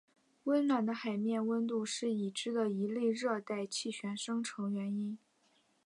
温暖的海面温度是已知的一类热带气旋生成原因。